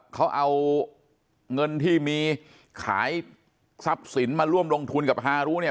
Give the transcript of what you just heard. เขาเอาเงินที่มีขายทรัพย์สินมาร่วมลงทุนกับฮารุเนี่ย